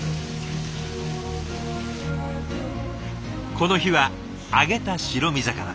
この日は揚げた白身魚。